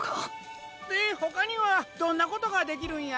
でほかにはどんなことができるんや？